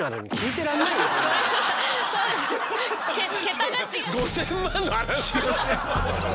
桁が違う。